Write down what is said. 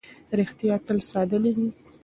ریښتیا تل ساده نه وي.